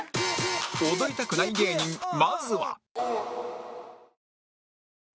踊りたくない芸人まずは